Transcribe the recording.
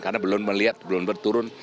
karena belum melihat belum berturun